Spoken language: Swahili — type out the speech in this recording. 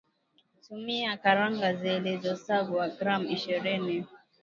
tumia karanga zilizosangwa gram ishirini